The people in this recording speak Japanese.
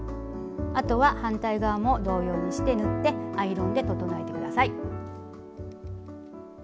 あとは反対側も同様にして縫ってアイロンで整えてください。